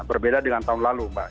berbeda dengan tahun lalu mbak